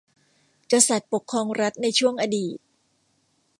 กษัตริย์ปกครองรัฐในช่วงอดีต